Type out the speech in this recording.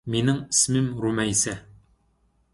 مېنىڭ ئىسمىم رۇمەيسە